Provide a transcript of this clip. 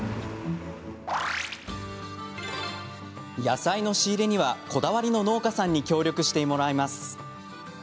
野菜の仕入れにはこだわりの農家さんに協力してもらいます。